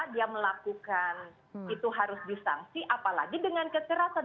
dia melakukan itu harus disangsi apalagi dengan kekerasan